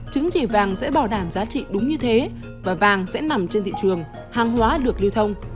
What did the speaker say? chứng chỉ vàng sẽ bảo đảm giá trị đúng như thế và vàng sẽ nằm trên thị trường hàng hóa được lưu thông